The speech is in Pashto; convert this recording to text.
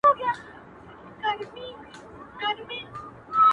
• لا ترڅو به وچ په ښاخ پوري ټالېږم,